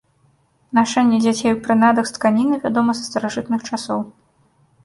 Нашэнне дзяцей у прынадах з тканіны вядома са старажытных часоў.